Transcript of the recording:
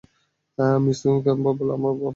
Miss Campbell, আপনার মতো মহিলা?